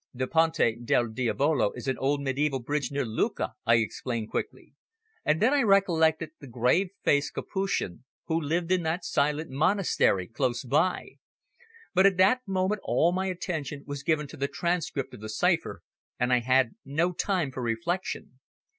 "The Ponte del Diavolo is an old mediaeval bridge near Lucca," I explained quickly, and then I recollected the grave faced Capuchin, who lived in that silent monastery close by. But at that moment all my attention was given to the transcript of the cipher, and I had no time for reflection.